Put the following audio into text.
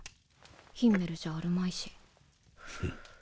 ヒンメルじゃあるまいし。